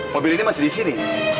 mobil ini masih disini